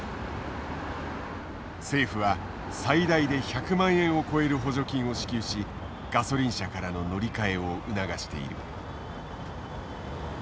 政府は最大で１００万円を超える補助金を支給しガソリン車からの乗り換えを促している。